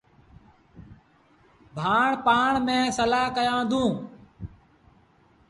ڀآن پآڻ ميݩ سلآه ڪيآݩدوݩ۔